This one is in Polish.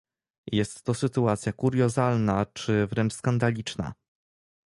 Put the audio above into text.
Jest to sytuacja kuriozalna czy wręcz skandaliczna